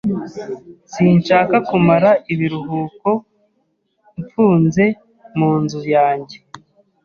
[S] Sinshaka kumara ibiruhuko mfunze mu nzu yanjye.